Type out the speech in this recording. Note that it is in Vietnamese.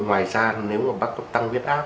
ngoài ra nếu mà bác có tăng viết áp